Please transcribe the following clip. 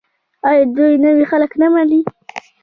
آیا دوی نوي خلک نه مني؟